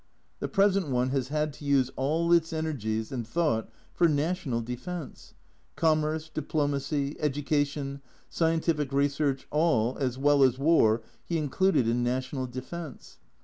The present one has had to use all its energies and thought for national defence. Commerce, Diplomacy, Educa tion, Scientific Research, all, as well as war, he included in national defence.